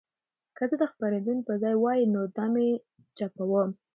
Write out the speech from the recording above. که زه د خپرندوی په ځای وای نو دا مې نه چاپوه.